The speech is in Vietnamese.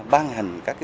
ban hành văn hóa